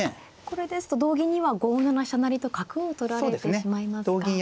これですと同銀には５七飛車成と角を取られてしまいますか。